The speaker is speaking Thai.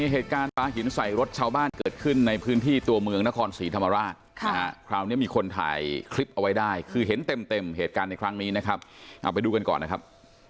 เหตุการณ์ปลาหินใส่รถชาวบ้านเกิดขึ้นในพื้นที่ตัวเมืองนครศรีธรรมราชคราวนี้มีคนถ่ายคลิปเอาไว้ได้คือเห็นเต็มเหตุการณ์ในครั้งนี้นะครับเอาไปดูกันก่อนนะครับ